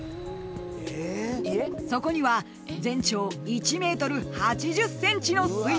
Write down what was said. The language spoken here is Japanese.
［そこには全長１ｍ８０ｃｍの水槽が２つ］